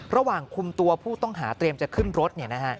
ระหว่างคุมตัวผู้ต้องหาเตรียมจะขึ้นรถ